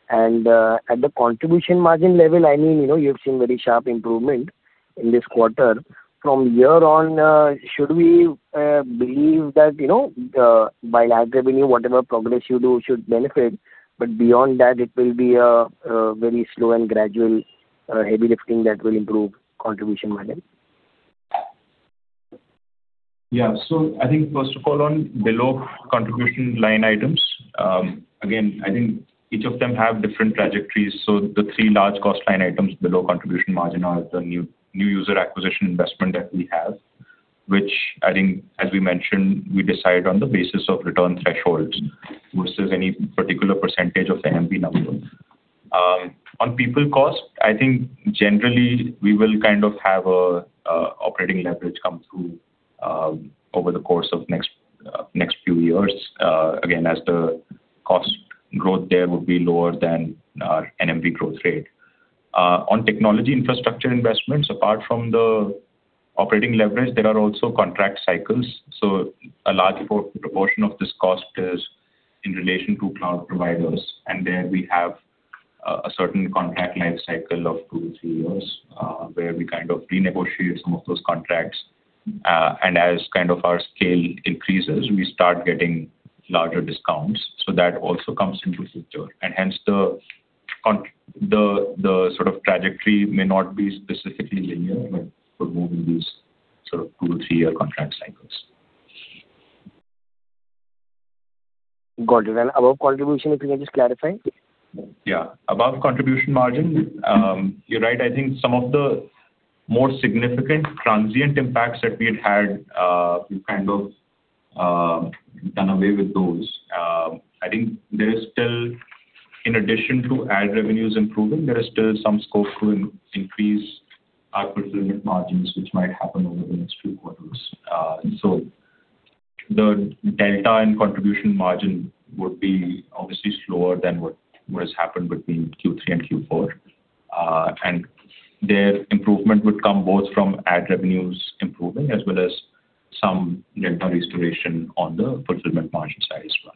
At the contribution margin level, I mean, you know, you've seen very sharp improvement in this quarter. From here on, should we believe that, you know, by large revenue whatever progress you do should benefit, but beyond that it will be a very slow and gradual heavy lifting that will improve contribution margin?
Yeah. I think first of all on below contribution line items, again, I think each of them have different trajectories. The three large cost line items below contribution margin are the new user acquisition investment that we have, which I think as we mentioned, we decide on the basis of return thresholds versus any particular percentage of the NMV number. On people cost, I think generally we will kind of have a operating leverage come through over the course of next few years, again, as the cost growth there will be lower than our NMV growth rate. On technology infrastructure investments, apart from the operating leverage, there are also contract cycles. A large proportion of this cost is in relation to cloud providers, and there we have a certain contract life cycle of two to three years, where we kind of renegotiate some of those contracts. As kind of our scale increases, we start getting larger discounts. That also comes into picture. Hence the sort of trajectory may not be specifically linear, but we're moving these sort of two to three-year contract cycles.
Got it. Above contribution, if you can just clarify.
Yeah. Above contribution margin, you're right. I think some of the more significant transient impacts that we had had, we've kind of done away with those. I think there is still In addition to ad revenues improving, there is still some scope to increase our fulfillment margins, which might happen over the next few quarters. The delta in contribution margin would be obviously slower than what has happened between Q3 and Q4. Their improvement would come both from ad revenues improving as well as some rental restoration on the fulfillment margin side as well.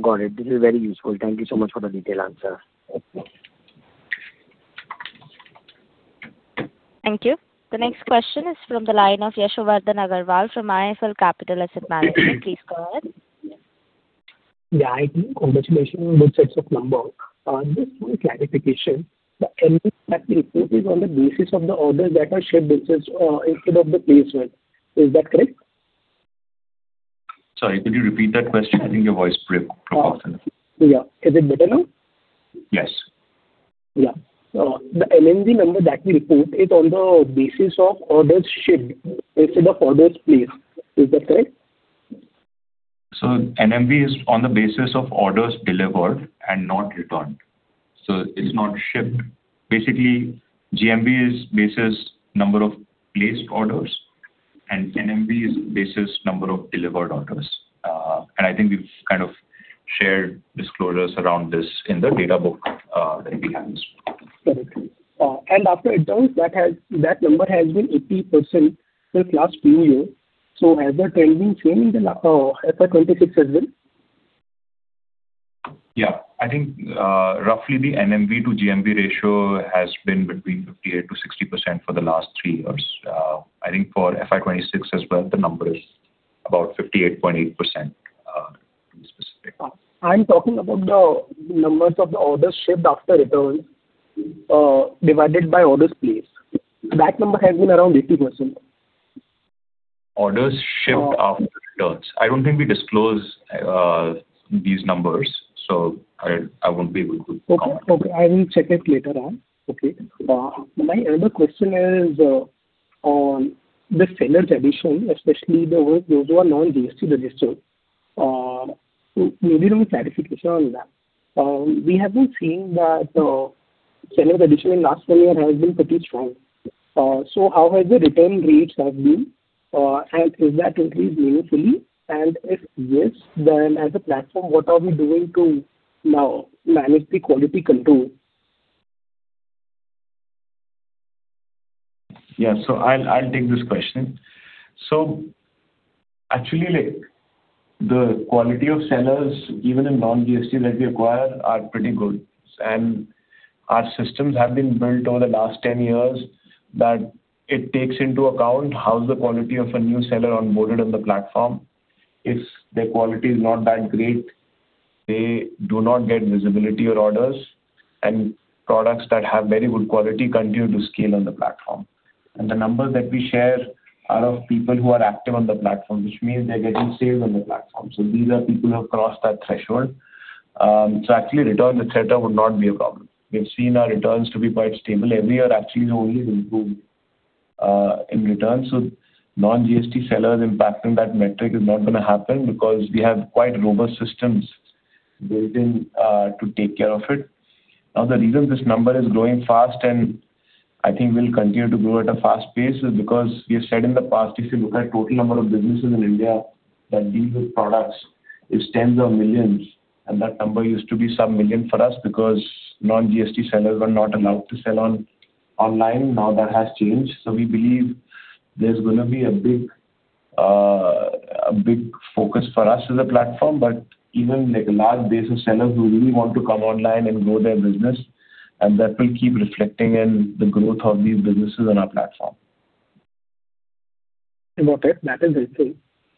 Got it. This is very useful. Thank you so much for the detailed answer.
Thank you. The next question is from the line of Yashowardhan Agarwal from IIFL Capital Asset Management. Please go ahead.
Yeah. I think congratulations on those sets of numbers. Just one clarification. The NMV that we report is on the basis of the orders that are shipped instead of the placement. Is that correct?
Sorry, could you repeat that question? I think your voice broke off a little.
Yeah. Is it better now?
Yes.
Yeah. The NMV number that we report is on the basis of orders shipped instead of orders placed. Is that correct?
NMV is on the basis of orders delivered and not returned. It's not shipped. Basically, GMV is based as number of placed orders, and NMV is based as number of delivered orders. I think we've kind of shared disclosures around this in the data book that we have.
Correct. After returns, that number has been 80% since last few years. Has the trend been same in FY 2026 as well?
Yeah. I think, roughly the NMV to GMV ratio has been between 58%-60% for the last three years. I think for FY 2026 as well, the number is about 58.8%, to be specific.
I'm talking about the numbers of the orders shipped after returns, divided by orders placed. That number has been around 80%.
Orders shipped after returns. I don't think we disclose these numbers, so I won't be able to comment.
Okay. Okay. I will check it later on. Okay. My other question is on the sellers addition, especially those who are non-GST registered. Maybe little clarification on that. We have been seeing that sellers addition in last one year has been pretty strong. So how has the return rates have been? Has that increased meaningfully? If yes, then as a platform, what are we doing to now manage the quality control?
I'll take this question. Actually, like, the quality of sellers, even in non-GST that we acquire, are pretty good. Our systems have been built over the last 10 years that it takes into account how is the quality of a new seller onboarded on the platform. If their quality is not that great, they do not get visibility or orders. Products that have very good quality continue to scale on the platform. The numbers that we share are of people who are active on the platform, which means they're getting sales on the platform. These are people who have crossed that threshold. Actually, return etc. would not be a problem. We've seen our returns to be quite stable every year, actually only improve in returns. Non-GST sellers impacting that metric is not going to happen because we have quite robust systems built in to take care of it. The reason this number is growing fast, and I think will continue to grow at a fast pace, is because we have said in the past, if you look at total number of businesses in India that deal with products, it's tens of millions, and that number used to be some million for us because non-GST sellers were not allowed to sell on online. Now that has changed. We believe there's going to be a big, a big focus for us as a platform, but even like a large base of sellers who really want to come online and grow their business, and that will keep reflecting in the growth of these businesses on our platform.
Got it. That is very clear.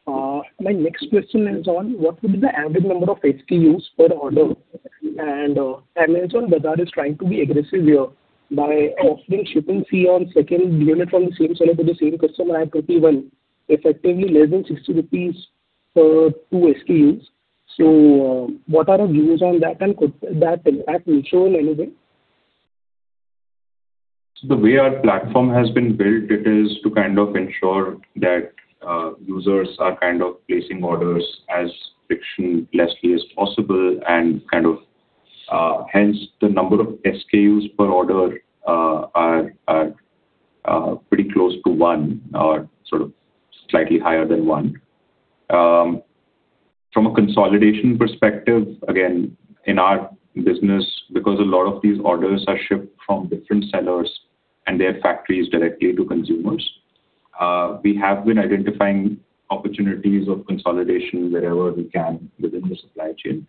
My next question is on what would be the average number of SKUs per order, and Amazon Bazaar is trying to be aggressive here by offering shipping fee on second unit from the same seller to the same customer at INR 51, effectively less than 60 rupees for two SKUs. What are your views on that, and could that impact Meesho in any way?
The way our platform has been built, it is to kind of ensure that users are kind of placing orders as frictionlessly as possible and hence the number of SKUs per order are pretty close to one or sort of slightly higher than one. From a consolidation perspective, again, in our business, because a lot of these orders are shipped from different sellers and their factories directly to consumers, we have been identifying opportunities of consolidation wherever we can within the supply chain.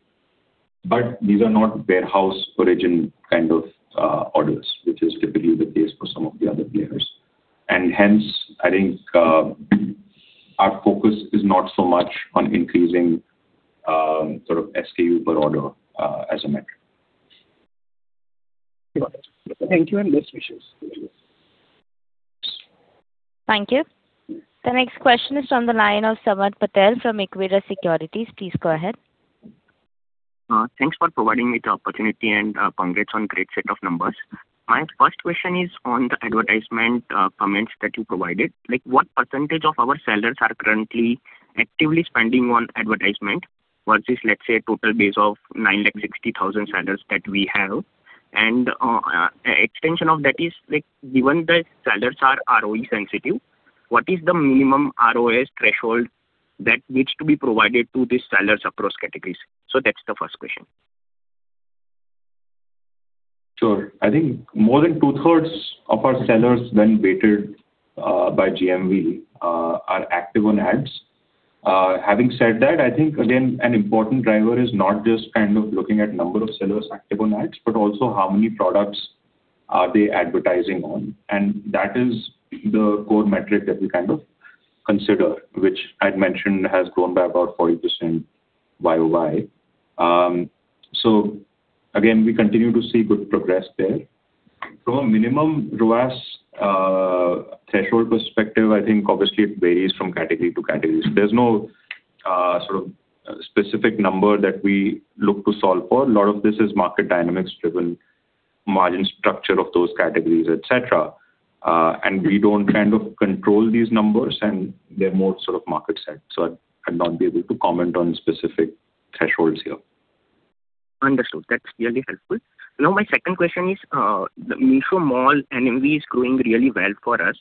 These are not warehouse origin kind of orders, which is typically the case for some of the other players. Hence, I think, our focus is not so much on increasing sort of SKU per order as a metric.
Got it. Thank you and best wishes.
Thank you. The next question is on the line of Samarth Patel from Equirus Securities. Please go ahead.
Thanks for providing me the opportunity, congrats on great set of numbers. My first question is on the advertisement comments that you provided. Like, what percentage of our sellers are currently actively spending on advertisement versus, let's say, total base of 9.6 lakh sellers that we have? Extension of that is, like, given that sellers are ROAS sensitive, what is the minimum ROAS threshold that needs to be provided to these sellers across categories? That's the first question.
Sure. I think more than two-thirds of our sellers when weighted by GMV are active on ads. Having said that, I think, again, an important driver is not just kind of looking at number of sellers active on ads, but also how many products are they advertising on. That is the core metric that we kind of consider, which I'd mentioned has grown by about 40% Y-o-Y. Again, we continue to see good progress there. From a minimum ROAS threshold perspective, I think obviously it varies from category to category. There's no sort of specific number that we look to solve for. A lot of this is market dynamics driven, margin structure of those categories, et cetera. We don't kind of control these numbers, and they're more sort of market set. I'd not be able to comment on specific thresholds here.
Understood. That's really helpful. Now, my second question is, the Meesho Mall NMV is growing really well for us.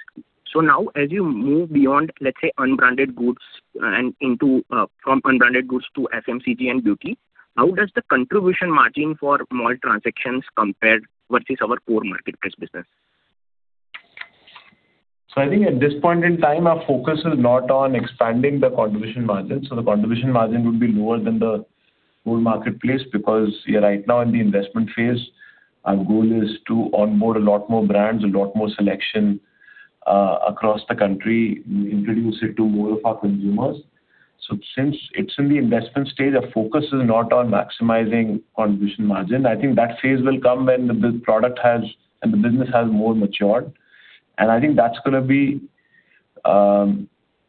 Now as you move beyond, let's say, unbranded goods and into, from unbranded goods to FMCG and beauty, how does the contribution margin for mall transactions compare versus our core marketplace business?
I think at this point in time, our focus is not on expanding the contribution margin. The contribution margin would be lower than the whole marketplace because we are right now in the investment phase. Our goal is to onboard a lot more brands, a lot more selection across the country, introduce it to more of our consumers. Since it's in the investment stage, our focus is not on maximizing contribution margin. I think that phase will come when the business has more matured. I think that's gonna be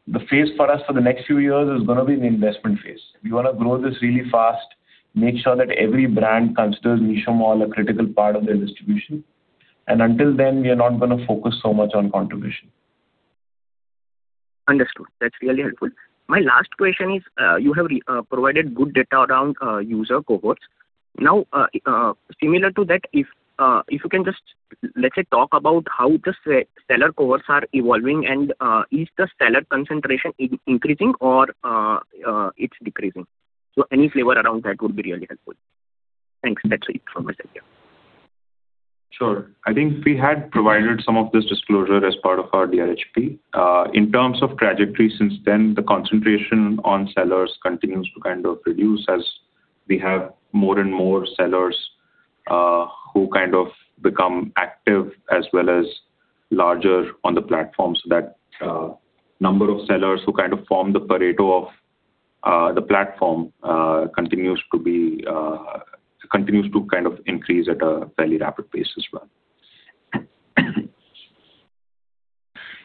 The phase for us for the next few years is gonna be the investment phase. We wanna grow this really fast, make sure that every brand considers Meesho Mall a critical part of their distribution. Until then, we are not gonna focus so much on contribution.
Understood. That's really helpful. My last question is, you have provided good data around user cohorts. Now, similar to that, if you can just, let's say, talk about how the seller cohorts are evolving and is the seller concentration increasing or it's decreasing? Any flavor around that would be really helpful. Thanks. That's it from my side, yeah.
Sure. I think we had provided some of this disclosure as part of our DRHP. In terms of trajectory since then, the concentration on sellers continues to kind of reduce as we have more and more sellers who kind of become active as well as larger on the platform, so that the number of sellers who kind of form the Pareto of the platform continues to kind of increase at a fairly rapid pace as well.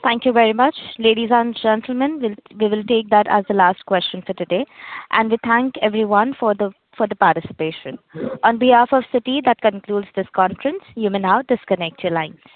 Thank you very much. Ladies and gentlemen, we will take that as the last question for today. We thank everyone for the participation. On behalf of Citi, that concludes this conference. You may now disconnect your lines.